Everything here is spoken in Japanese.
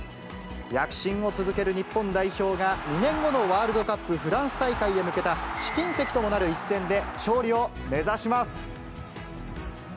躍進を続ける日本代表が、２年後のワールドカップフランス大会へ向けた試金石ともなる一戦で勝利を目指します。